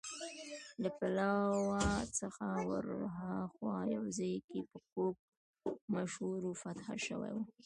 له پلاوا څخه ورهاخوا یو ځای چې په کوک مشهور و، فتح شوی و.